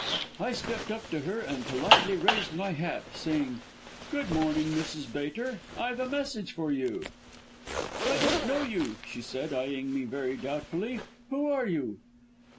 "I stepped up to her, and politely raising my hat said, 'Good morning, Mrs. Bater. I've a message for you.' "'I don't know you,' she said eyeing me very doubtfully, 'who are you?'